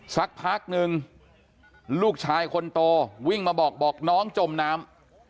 สักพักนึงลูกชายคนโตวิ่งมาบอกบอกน้องจมน้ำ